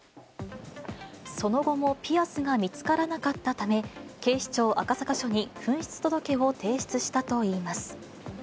その後もピアスが見つからなかったため、警視庁赤坂署に紛失届を提出したといいます。